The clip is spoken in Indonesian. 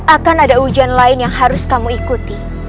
akan ada ujian lain yang harus kamu ikuti